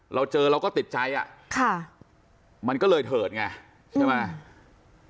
เราเจอเราก็ติดใจอ่ะค่ะมันก็เลยเถิดไงใช่ไหม